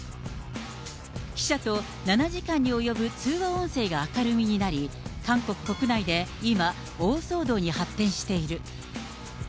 記者と７時間に及ぶ通話音声が明るみになり、韓国国内で今、大騒動に発展している。